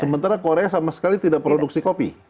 sementara korea sama sekali tidak produksi kopi